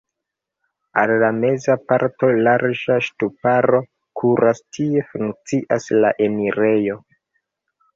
Al la meza parto larĝa ŝtuparo kuras, tie funkcias la enirejo.